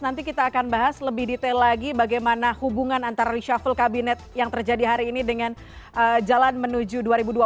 nanti kita akan bahas lebih detail lagi bagaimana hubungan antara reshuffle kabinet yang terjadi hari ini dengan jalan menuju dua ribu dua puluh